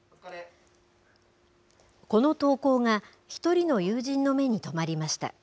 この投稿が、１人の友人の目に留まりました。